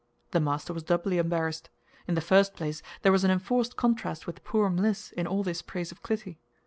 The master was doubly embarrassed. In the first place, there was an enforced contrast with poor Mliss in all this praise of Clytie.